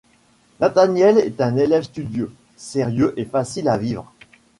Nathaniel est un élève studieux, sérieux et facile à vivre.